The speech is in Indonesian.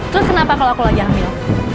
terus kenapa kalau aku lagi hamil